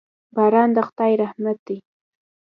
باران د خدای رحمت دی.